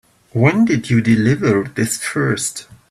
When did you deliver this first?